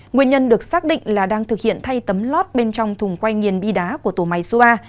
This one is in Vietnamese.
nguyên nhân được xác định là đang thực hiện thay tấm lót bên trong thùng quay nhiền bi đá của tổ máy zoa